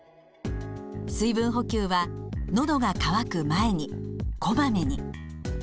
水分補給は「のどが渇く前に」「こまめに」。